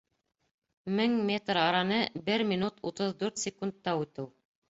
Мең метр араны бер минут утыҙ дүрт секундта үтеү